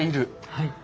はい。